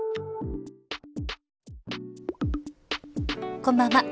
こんばんは。